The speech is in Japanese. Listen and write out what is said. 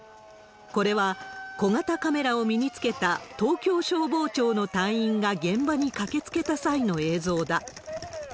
これは、小型カメラを身につけた東京消防庁の隊員が現場に駆けつけた際の映像だ。